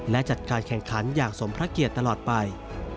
และจัดการแข่งขันอย่างสมพระเกียรติตลอดไป